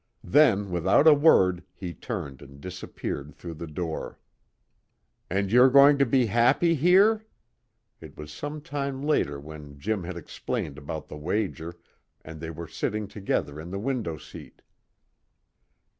Then without a word he turned and disappeared through the door. "And you're going to be happy here?" It was some time later when Jim had explained about the wager, and they were sitting together in the window seat.